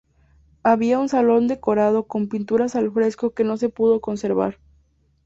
Había un salón decorado con pinturas al fresco que no se pudo conservar.